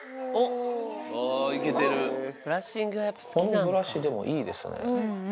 このブラシ、でも、いいですね。